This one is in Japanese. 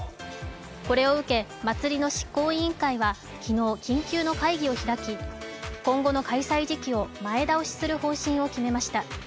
これを受け、祭りの執行委員会は昨日、緊急の会議を開き、今後の開催時期を前倒しする方針を決めました。